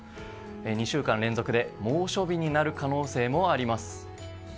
２週間連続で猛暑日になる可能性もあります。